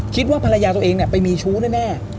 คิดว่าภรรยาตัวเองไปมีชู้แน่